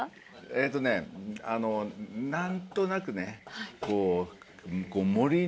えっとね何となくねこう。